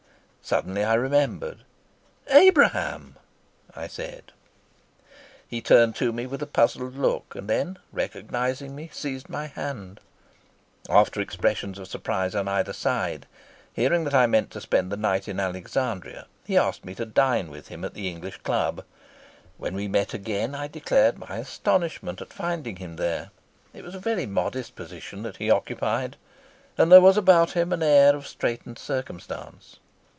Suddenly I remembered. "Abraham," I said. He turned to me with a puzzled look, and then, recognizing me, seized my hand. After expressions of surprise on either side, hearing that I meant to spend the night in Alexandria, he asked me to dine with him at the English Club. When we met again I declared my astonishment at finding him there. It was a very modest position that he occupied, and there was about him an air of straitened circumstance.